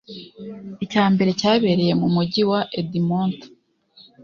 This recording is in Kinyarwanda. icya mbere cyabereye mu Mujyi wa Edmonton